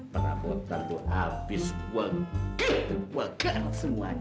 perabotan lo abis begitu beker semuanya nih